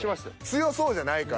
強そうじゃないから。